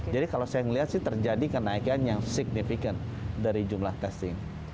jadi kalau saya melihat sih terjadi kenaikan yang signifikan dari jumlah testing